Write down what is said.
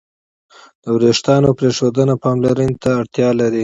د وېښتیانو پرېښودنه پاملرنې ته اړتیا لري.